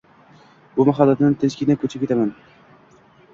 Bu mahalladan tinchgina ko`chib ketaman